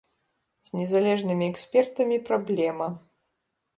З незалежнымі экспертамі праблема.